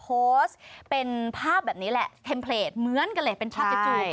โพสต์เป็นภาพแบบนี้แหละเทมเพลจเหมือนกันเลยเป็นภาพจู่